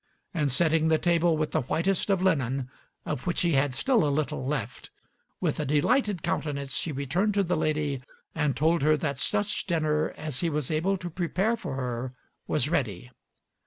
And setting the table with the whitest of linen, of which he had still a little left, with a delighted countenance he returned to the lady and told her that such dinner as he was able to prepare for her was ready.